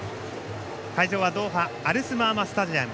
会場はドーハアルスマーマスタジアム。